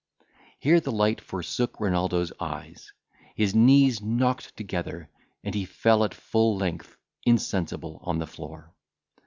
Here the light forsook Renaldo's eyes, his knees knocked together, and he fell at full length insensible on the floor.